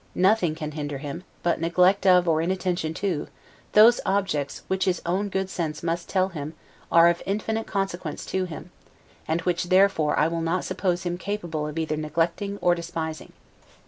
Nothing can hinder him, but neglect of or inattention to, those objects which his own good sense must tell him are, of infinite consequence to him, and which therefore I will not suppose him capable of either neglecting or despising.